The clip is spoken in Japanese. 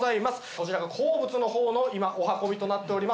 こちらが好物の方の今お運びとなっております。